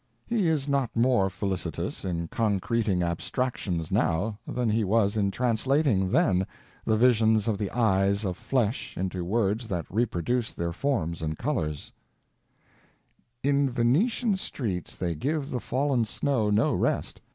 He is not more felicitous in concreting abstractions now than he was in translating, then, the visions of the eyes of flesh into words that reproduced their forms and colors: _In Venetian streets they give the fallen snow no rest.